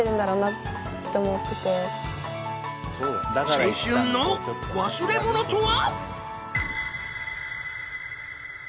青春の忘れ物とは？